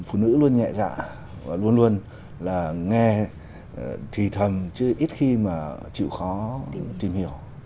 phụ nữ luôn nhẹ dạ và luôn luôn là nghe thì thầm chứ ít khi mà chịu khó tìm hiểu